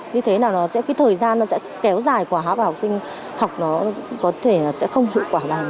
thế thế là thời gian nó sẽ kéo dài quá và học sinh học nó có thể sẽ không hữu quả bằng